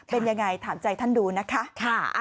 เป็นยังไงถามใจท่านดูนะคะ